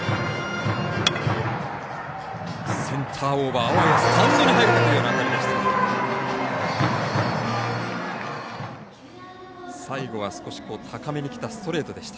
センターオーバー、あわやスタンドに入るかという当たりでした。